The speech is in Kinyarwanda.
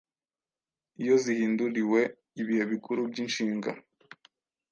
Iyo zihinduriwe ibihe bikuru by’inshinga,